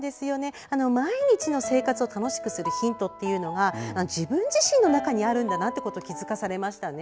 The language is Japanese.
毎日の生活を楽しくするヒントは自分自身の中にあるんだなと気付かされましたね。